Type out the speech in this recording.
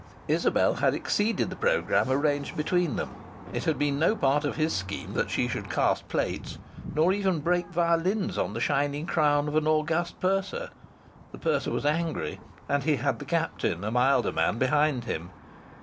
Isabel had exceeded the programme arranged between them. It had been no part of his scheme that she should cast plates, nor even break violins on the shining crown of an august purser. The purser was angry, and he had the captain, a milder man, behind him.